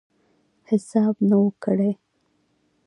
حساب نه وو کړی.